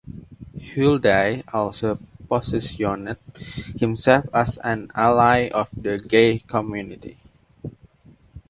Huldai also positioned himself as an ally of the gay community.